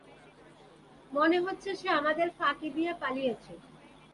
মনে হচ্ছে সে আমাদের ফাঁকি দিয়ে পালিয়েছে।